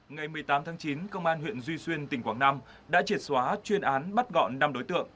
ngày một mươi tám tháng chín công an huyện duy xuyên tỉnh quảng nam đã triệt xóa chuyên án bắt gọn năm đối tượng